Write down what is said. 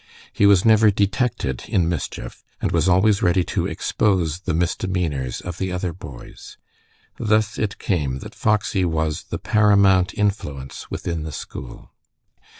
He was never detected in mischief, and was always ready to expose the misdemeanors of the other boys. Thus it came that Foxy was the paramount influence within the school.